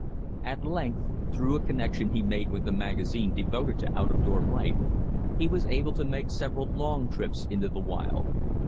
At length, through a connection he made with a magazine devoted to out of door life, he was able to make several long trips into the wild.